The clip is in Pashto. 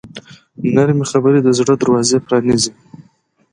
نرمې خبرې د زړه دروازې پرانیزي.